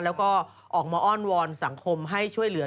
แล้วก็ออกมาอ้อนวอนสังคมให้ช่วยเหลือ